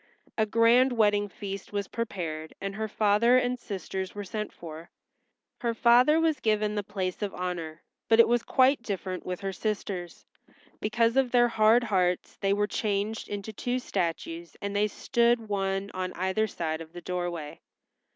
A grand wedding feast was prepared, and her father and sisters were sent for. Her father was given the place of honor, but it was quite different with her sisters; because of their hard hearts they were changed into two statues and they stood one on either side of the doorway.